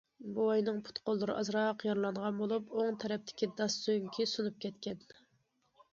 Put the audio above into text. بوۋاينىڭ پۇت- قوللىرى ئازراق يارىلانغان بولۇپ، ئوڭ تەرەپتىكى داس سۆڭىكى سۇنۇپ كەتكەن.